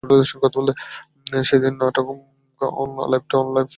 সেই দিন নাটক "অন লাইফ টু লাইফ" করেন।